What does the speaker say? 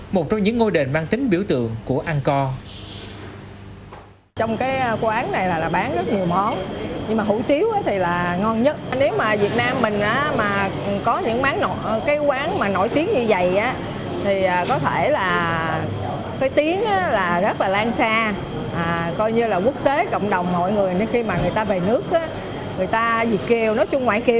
một trong những ngôi đền mang tính biểu tượng của angkor